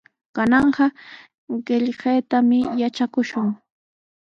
Kananqa qillqaytami yatrakushun.